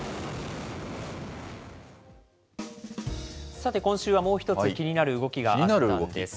さて、今週はもう一つ、気になる動きがあったんです。